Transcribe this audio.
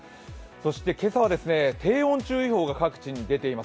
今朝は、低温注意報が各地に出ています。